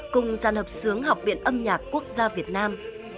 cùng gian hợp sướng học viện âm nhạc quốc gia việt nam